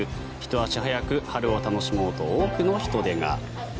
ひと足早く春を楽しもうと多くの人出が。